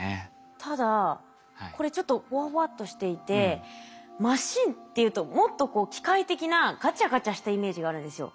ただこれちょっとほわほわっとしていてマシンっていうともっと機械的なガチャガチャしたイメージがあるんですよ。